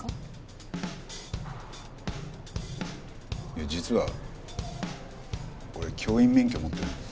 いや実は俺教員免許持ってるんです。